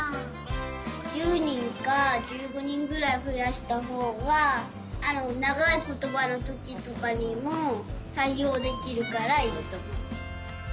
１０にんか１５にんぐらいふやしたほうがながいことばのときとかにもたいおうできるからいいとおもう。